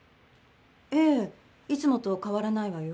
ええいつもと変わらないわよ